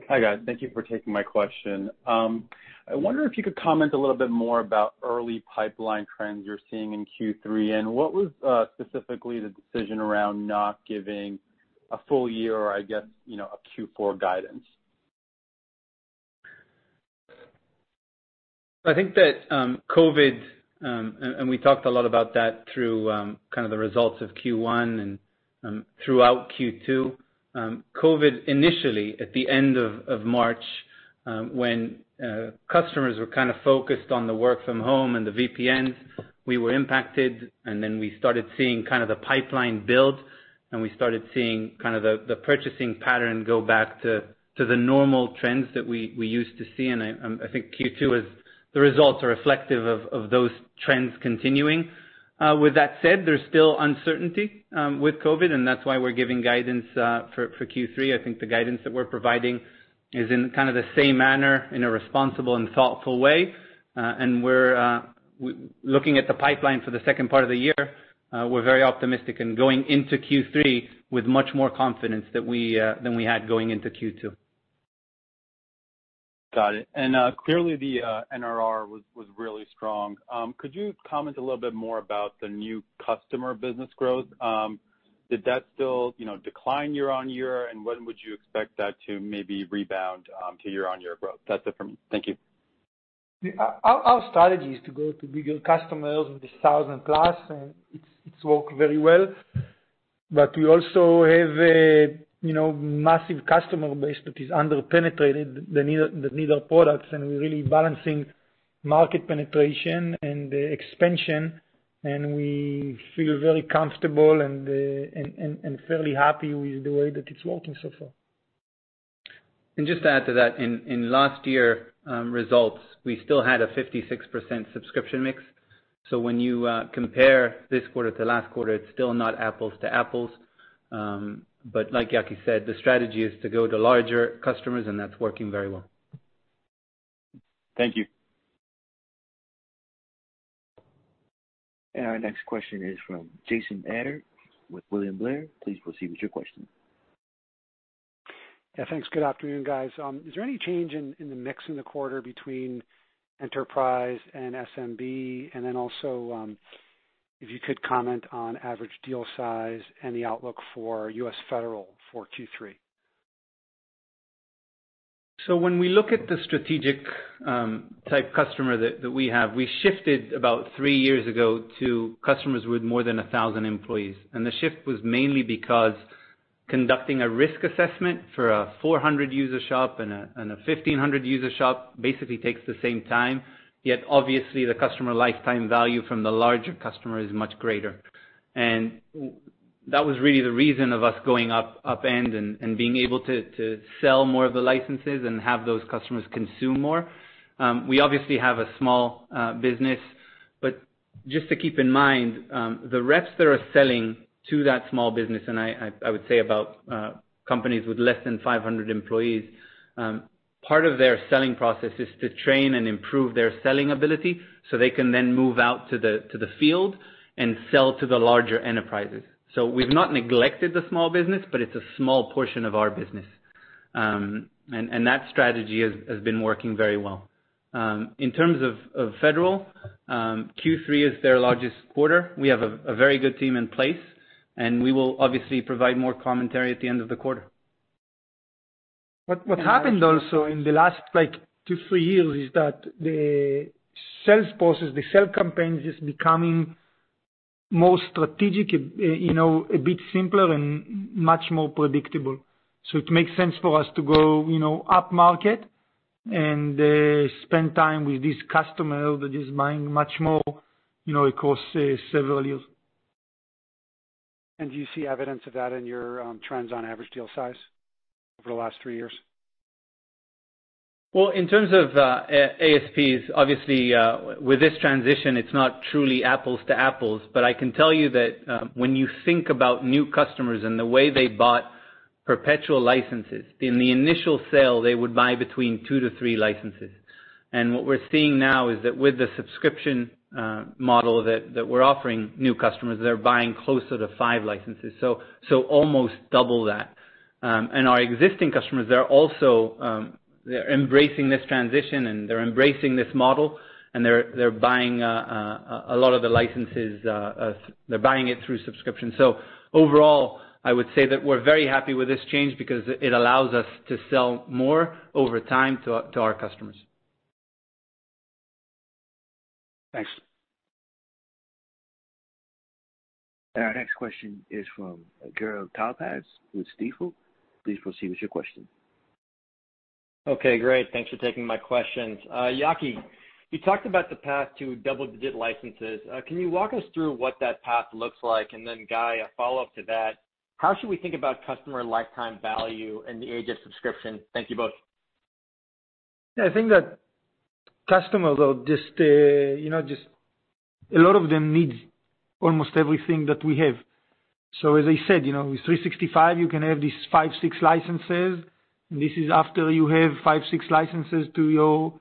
Hi, guys. Thank you for taking my question. I wonder if you could comment a little bit more about early pipeline trends you're seeing in Q3, and what was specifically the decision around not giving a full year or I guess, a Q4 guidance? I think that COVID, we talked a lot about that through kind of the results of Q1 and throughout Q2. COVID initially, at the end of March, when customers were kind of focused on the work from home and the VPNs, we were impacted. Then we started seeing the pipeline build. We started seeing the purchasing pattern go back to the normal trends that we used to see. I think Q2, the results are reflective of those trends continuing. With that said, there's still uncertainty with COVID. That's why we're giving guidance for Q3. I think the guidance that we're providing is in kind of the same manner, in a responsible and thoughtful way. We're looking at the pipeline for the second part of the year. We're very optimistic and going into Q3 with much more confidence than we had going into Q2. Got it. Clearly the NRR was really strong. Could you comment a little bit more about the new customer business growth? Did that still decline year-on-year? When would you expect that to maybe rebound to year-on-year growth? That's it from me. Thank you. Our strategy is to go to bigger customers with a 1,000+, and it's worked very well. We also have a massive customer base that is under-penetrated that need our products, and we're really balancing market penetration and expansion, and we feel very comfortable and fairly happy with the way that it's working so far. Just to add to that, in last year results, we still had a 56% subscription mix. When you compare this quarter to last quarter, it's still not apples-to-apples. Like Yaki said, the strategy is to go to larger customers and that's working very well. Thank you. Our next question is from Jason Ader with William Blair. Please proceed with your question. Yeah, thanks. Good afternoon, guys. Is there any change in the mix in the quarter between enterprise and SMB? Also, if you could comment on average deal size and the outlook for U.S. federal for Q3. When we look at the strategic type customer that we have, we shifted about three years ago to customers with more than 1,000 employees. The shift was mainly because conducting a risk assessment for a 400-user shop and a 1,500-user shop basically takes the same time, yet obviously the customer lifetime value from the larger customer is much greater. That was really the reason of us going up end and being able to sell more of the licenses and have those customers consume more. We obviously have a small business, but just to keep in mind, the reps that are selling to that small business, and I would say about companies with less than 500 employees, part of their selling process is to train and improve their selling ability so they can then move out to the field and sell to the larger enterprises. We've not neglected the small business, but it's a small portion of our business. That strategy has been working very well. In terms of federal, Q3 is their largest quarter. We have a very good team in place, and we will obviously provide more commentary at the end of the quarter. What happened also in the last two, three years is that the sales process, the sales campaign is becoming more strategic, a bit simpler and much more predictable. It makes sense for us to go up market and spend time with this customer that is buying much more, it lasts several years. Do you see evidence of that in your trends on average deal size over the last three years? Well, in terms of ASPs, obviously, with this transition, it's not truly apples-to-apples, but I can tell you that when you think about new customers and the way they bought perpetual licenses, in the initial sale, they would buy between two to three licenses. What we're seeing now is that with the subscription model that we're offering new customers, they're buying closer to five licenses. Almost double that. Our existing customers, they're embracing this transition, and they're embracing this model, and they're buying a lot of the licenses, they're buying it through subscription. Overall, I would say that we're very happy with this change because it allows us to sell more over time to our customers. Thanks. Our next question is from Gur Talpaz with Stifel. Please proceed with your question. Okay. Great. Thanks for taking my questions. Yaki, you talked about the path to double-digit licenses. Can you walk us through what that path looks like? Then Guy, a follow-up to that, how should we think about customer lifetime value in the age of subscription? Thank you both. Yeah, I think that customers, a lot of them need almost everything that we have. As I said, with 365, you can have these five, six licenses. This is after you have five, six licenses to your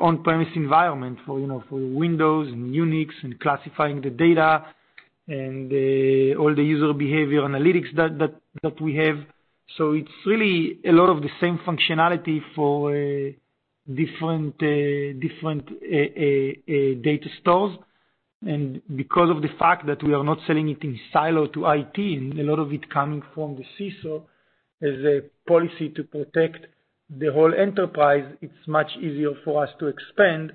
on-premise environment for Windows and Unix and classifying the data. All the User Behavior Analytics that we have. It's really a lot of the same functionality for different data stores. Because of the fact that we are not selling it in silo to IT, and a lot of it coming from the CISO as a policy to protect the whole enterprise, it's much easier for us to expand.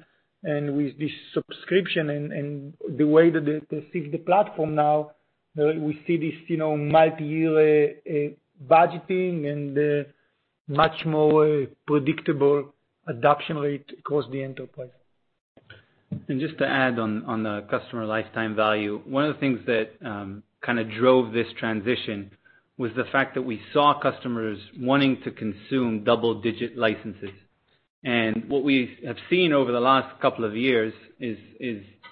With this subscription and the way that they receive the platform now, we see this multi-year budgeting and much more predictable adoption rate across the enterprise. Just to add on the customer lifetime value. One of the things that kind of drove this transition was the fact that we saw customers wanting to consume double-digit licenses. What we have seen over the last couple of years is,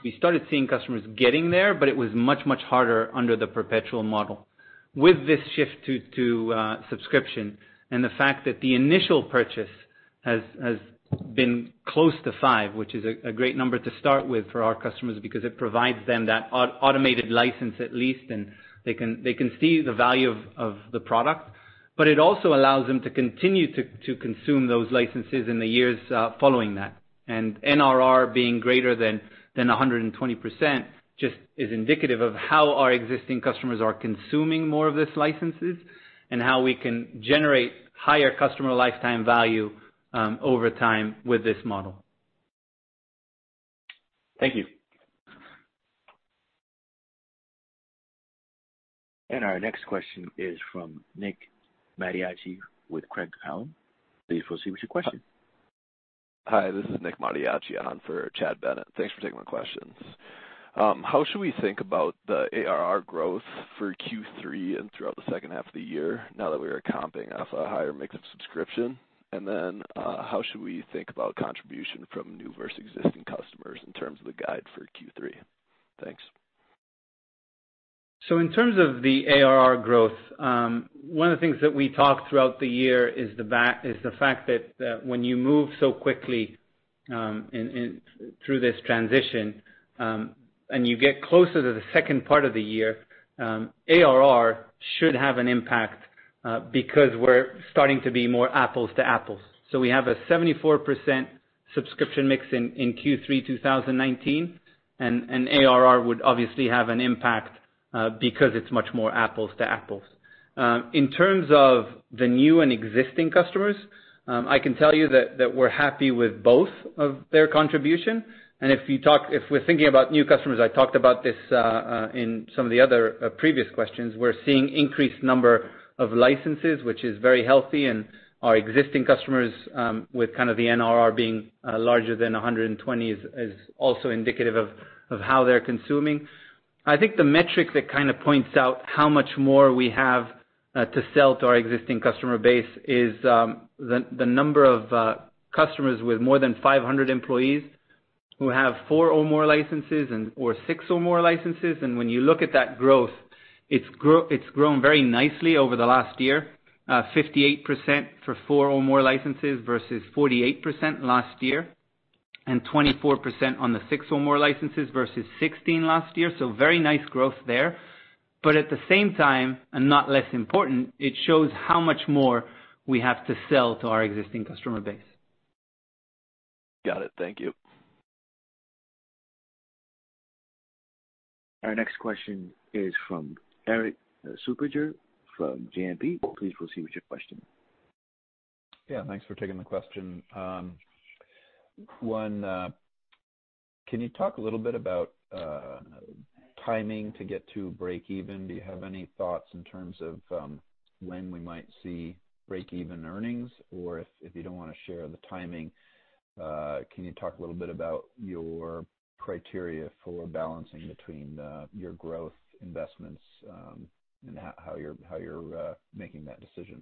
we started seeing customers getting there, but it was much harder under the perpetual model. With this shift to subscription and the fact that the initial purchase has been close to five, which is a great number to start with for our customers because it provides them that automated license at least, and they can see the value of the product. It also allows them to continue to consume those licenses in the years following that. NRR being greater than 120% just is indicative of how our existing customers are consuming more of these licenses and how we can generate higher customer lifetime value over time with this model. Thank you. Our next question is from Nick Mattiacci with Craig-Hallum. Please proceed with your question. Hi, this is Nick Mattiacci on for Chad Bennett. Thanks for taking my questions. How should we think about the ARR growth for Q3 and throughout the second half of the year now that we are comping off a higher mix of subscription? How should we think about contribution from new versus existing customers in terms of the guide for Q3? Thanks. In terms of the ARR growth, one of the things that we talk throughout the year is the fact that when you move so quickly through this transition, and you get closer to the second part of the year, ARR should have an impact because we're starting to be more apples-to-apples. We have a 74% subscription mix in Q3 2019, and ARR would obviously have an impact because it's much more apples-to-apples. In terms of the new and existing customers, I can tell you that we're happy with both of their contribution. If we're thinking about new customers, I talked about this in some of the other previous questions, we're seeing increased number of licenses, which is very healthy, and our existing customers, with kind of the NRR being larger than 120% is also indicative of how they're consuming. I think the metric that kind of points out how much more we have to sell to our existing customer base is the number of customers with more than 500 employees who have four or more licenses or six or more licenses. When you look at that growth, it's grown very nicely over the last year. 58% for four or more licenses versus 48% last year, 24% on the six or more licenses versus 16% last year. Very nice growth there. At the same time, and not less important, it shows how much more we have to sell to our existing customer base. Got it. Thank you. Our next question is from Erik Suppiger from JMP. Please proceed with your question. Yeah, thanks for taking the question. One, can you talk a little bit about timing to get to breakeven? Do you have any thoughts in terms of when we might see breakeven earnings? If you don't want to share the timing, can you talk a little bit about your criteria for balancing between your growth investments, and how you're making that decision?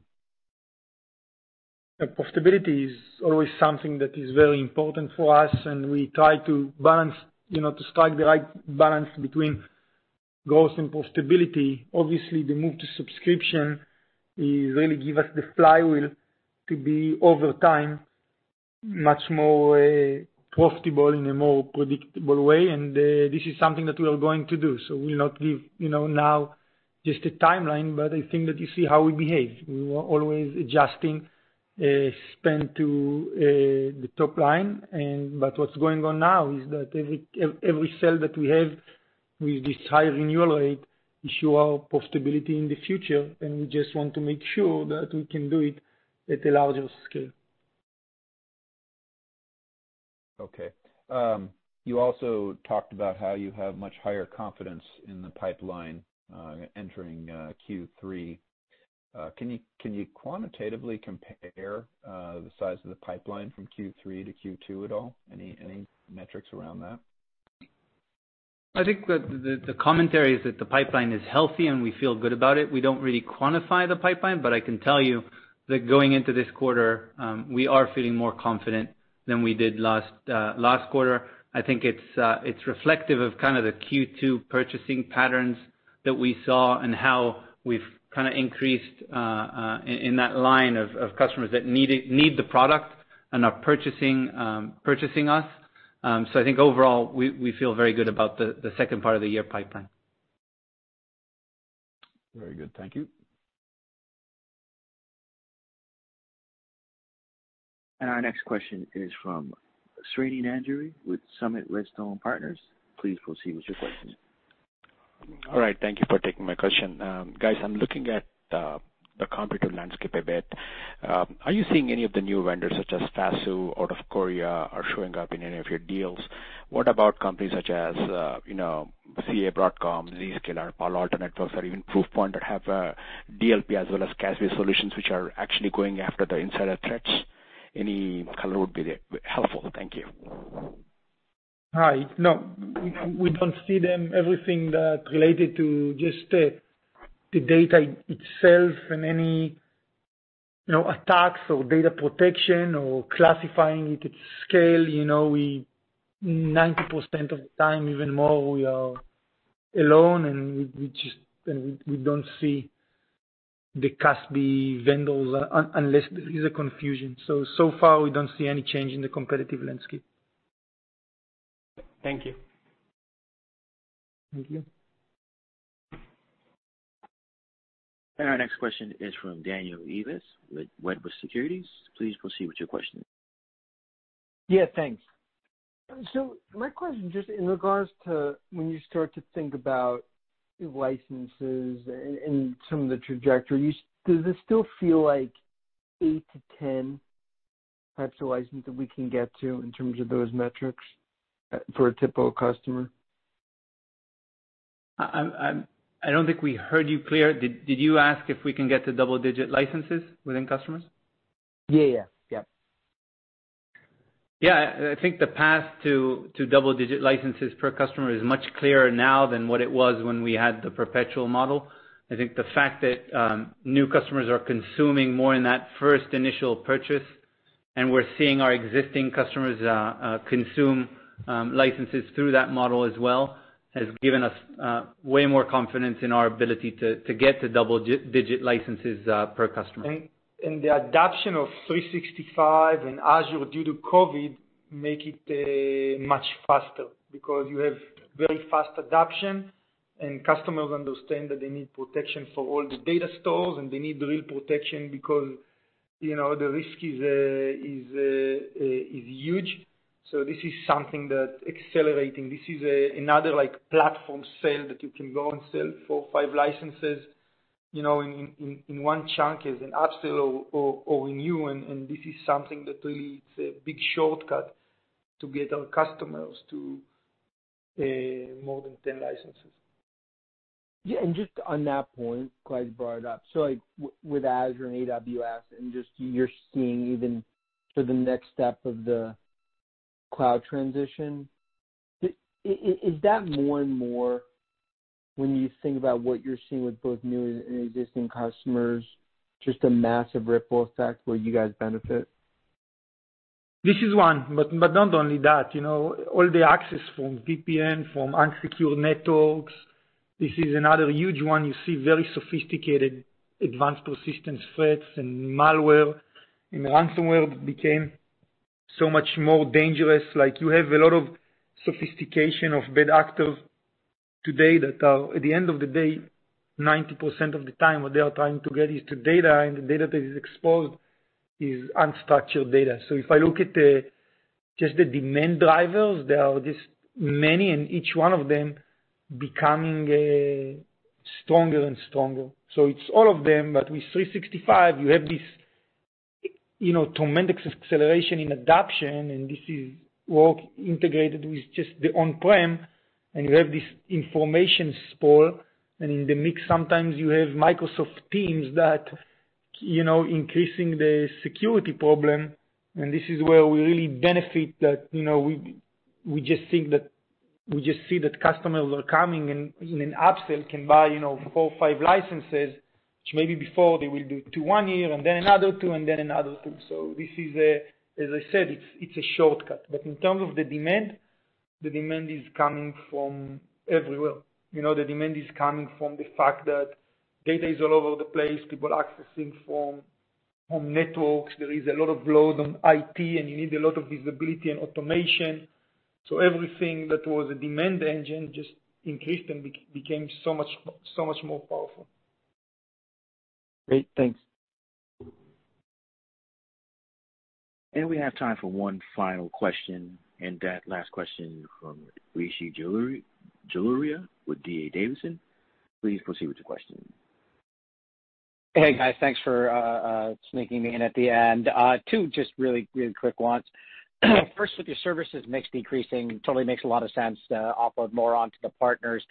Profitability is always something that is very important for us, and we try to strike the right balance between growth and profitability. Obviously, the move to subscription is really give us the flywheel to be, over time, much more profitable in a more predictable way. And this is something that we are going to do. We'll not give now just a timeline, but I think that you see how we behave. We are always adjusting spend to the top line. What's going on now is that every sale that we have with this high renewal rate ensure our profitability in the future, and we just want to make sure that we can do it at a larger scale. Okay. You also talked about how you have much higher confidence in the pipeline entering Q3. Can you quantitatively compare the size of the pipeline from Q3 to Q2 at all? Any metrics around that? I think that the commentary is that the pipeline is healthy. We feel good about it. We don't really quantify the pipeline. I can tell you that going into this quarter, we are feeling more confident than we did last quarter. I think it's reflective of kind of the Q2 purchasing patterns that we saw and how we've kind of increased in that line of customers that need the product and are purchasing us. I think overall, we feel very good about the second part of the year pipeline. Very good. Thank you. Our next question is from Srini Nandury with Summit Redstone Partners. Please proceed with your question. All right. Thank you for taking my question. Guys, I'm looking at the competitive landscape a bit. Are you seeing any of the new vendors such as Fasoo out of Korea showing up in any of your deals? What about companies such as Broadcom, Zscaler, Palo Alto Networks, or even Proofpoint that have DLP as well as CASB solutions, which are actually going after the insider threats? Any color would be helpful. Thank you. Hi. No, we don't see them. Everything that related to just the data itself and any attacks or data protection or classifying it at scale, 90% of the time, even more, we are alone and we don't see the CASB vendors unless there is a confusion. So far, we don't see any change in the competitive landscape. Thank you. Thank you. Our next question is from Daniel Ives with Wedbush Securities. Please proceed with your question. Yeah, thanks. My question, just in regards to when you start to think about your licenses and some of the trajectories, does it still feel like 8-10 types of licenses that we can get to in terms of those metrics for a typical customer? I don't think we heard you clear. Did you ask if we can get to double-digit licenses within customers? Yeah. Yeah, I think the path to double-digit licenses per customer is much clearer now than what it was when we had the perpetual model. I think the fact that new customers are consuming more in that first initial purchase, and we're seeing our existing customers consume licenses through that model as well, has given us way more confidence in our ability to get to double-digit licenses per customer. The adoption of 365 and Azure due to COVID make it much faster because you have very fast adoption and customers understand that they need protection for all the data stores, and they need real protection because the risk is huge. This is something that accelerating, this is another platform sale that you can go and sell four or five licenses in one chunk as an upsell or renew, and this is something that really is a big shortcut to get our customers to more than 10 licenses. Yeah, just on that point, guys, brought up, with Azure and AWS and just you're seeing even for the next step of the cloud transition, is that more and more when you think about what you're seeing with both new and existing customers, just a massive ripple effect where you guys benefit? This is one, but not only that, all the access from VPN, from unsecure networks, this is another huge one. You see very sophisticated Advanced Persistent Threats and malware, and ransomware became so much more dangerous. You have a lot of sophistication of bad actors today that are, at the end of the day, 90% of the time, what they are trying to get is the data, and the data that is exposed is unstructured data. If I look at just the demand drivers, there are just many, and each one of them becoming stronger and stronger. It's all of them. With 365, you have this tremendous acceleration in adoption, and this is work integrated with just the on-prem, and you have this information sprawl, and in the mix, sometimes you have Microsoft Teams that increasing the security problem, and this is where we really benefit that we just see that customers are coming and in an upsell can buy four or five licenses, which maybe before they will do two one year and then another two and then another two. This is, as I said, it's a shortcut. In terms of the demand, the demand is coming from everywhere. The demand is coming from the fact that data is all over the place, people accessing from home networks. There is a lot of load on IT, and you need a lot of visibility and automation. Everything that was a demand engine just increased and became so much more powerful. Great. Thanks. We have time for one final question, and that last question from Rishi Jaluria with D.A. Davidson. Please proceed with your question. Hey, guys. Thanks for sneaking me in at the end. Two just really quick ones. With your services mix decreasing, totally makes a lot of sense to offload more onto the partners.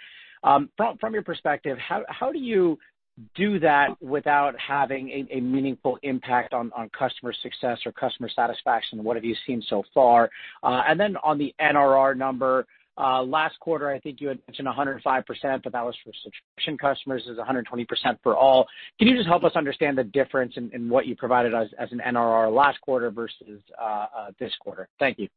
From your perspective, how do you do that without having a meaningful impact on customer success or customer satisfaction? What have you seen so far? On the NRR number, last quarter, I think you had mentioned 105%, but that was for subscription customers. It's 120% for all. Can you just help us understand the difference in what you provided us as an NRR last quarter versus this quarter? Thank you.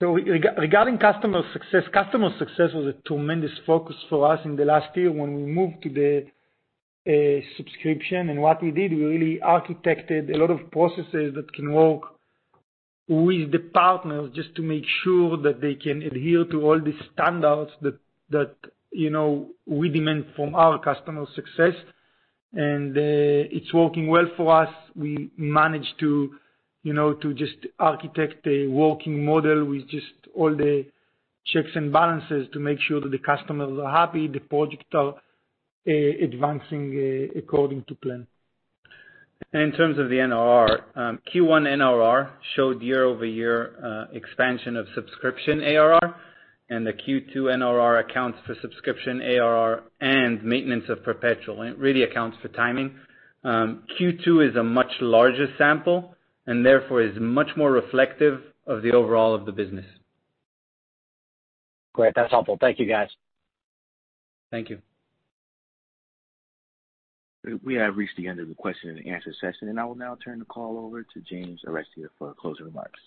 Regarding customer success, customer success was a tremendous focus for us in the last year when we moved to the subscription. What we did, we really architected a lot of processes that can work with the partners just to make sure that they can adhere to all the standards that we demand from our customer success. It's working well for us. We managed to just architect a working model with just all the checks and balances to make sure that the customers are happy, the projects are advancing according to plan. In terms of the NRR, Q1 NRR showed year-over-year expansion of subscription ARR, and the Q2 NRR accounts for subscription ARR and maintenance of perpetual, and it really accounts for timing. Q2 is a much larger sample and therefore is much more reflective of the overall of the business. Great. That's helpful. Thank you, guys. Thank you. We have reached the end of the question-and-answer session, and I will now turn the call over to James Arestia for closing remarks.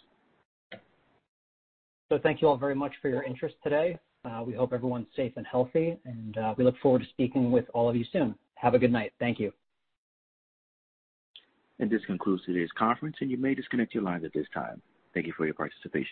Thank you all very much for your interest today. We hope everyone's safe and healthy, and we look forward to speaking with all of you soon. Have a good night. Thank you. This concludes today's conference, and you may disconnect your lines at this time. Thank you for your participation.